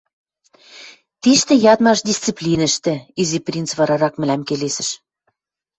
— Тиштӹ ядмаш дисциплинӹштӹ, — Изи принц варарак мӹлӓм келесӹш.